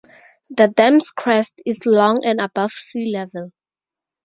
The dam's crest is long and above sea level.